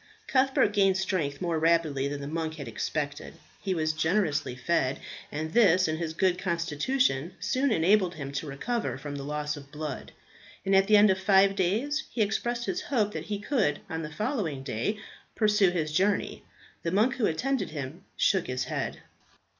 Cuthbert gained strength more rapidly than the monk had expected. He was generously fed, and this and his good constitution soon enabled him to recover from the loss of blood; and at the end of five days he expressed his hope that he could on the following day pursue his journey. The monk who attended him shook his head.